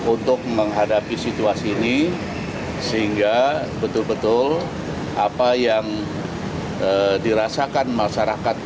untuk menghadapi situasi ini sehingga betul betul apa yang dirasakan masyarakat